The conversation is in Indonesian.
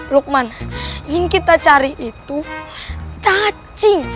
lukman yang kita cari itu cacing